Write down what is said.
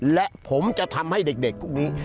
และผมจะทำให้เด็กพวกนี้